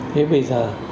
thế bây giờ